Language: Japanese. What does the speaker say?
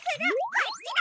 こっちだ！